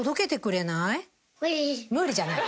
無理じゃない。